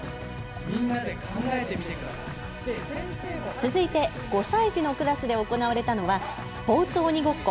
続いて５歳児のクラスで行われたのはスポーツ鬼ごっこ。